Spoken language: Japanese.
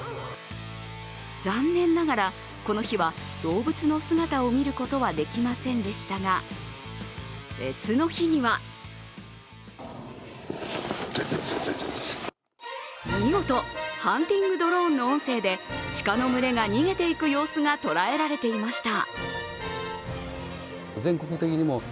残念ながら、この日は動物の姿を見ることはできませんでしたが、別の日には見事、ハンティングドローンの音声で鹿の群れが逃げていく様子が捉えられていました。